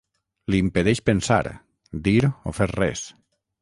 Li impedeix pensar, dir o fer res.